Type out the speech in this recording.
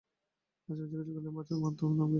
মাসিমা জিজ্ঞাসা করিলেন, বাছা, তোমার মা কোথায়?